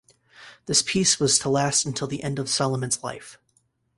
This peace was to last until the end of Salomon's life.